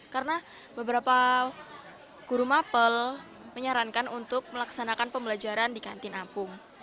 karena beberapa guru mapel menyarankan untuk melaksanakan pembelajaran di kantin apung